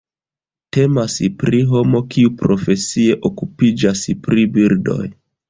Temas pri homo kiu profesie okupiĝas pri birdoj.